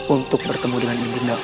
untuk bertemu dengan ibundamu